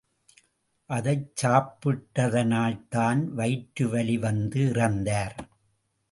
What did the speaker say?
அதைச் சாப்பிட்டதனால்தான் வயிற்றுவலி வந்து இறந்தார்.